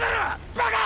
バカ！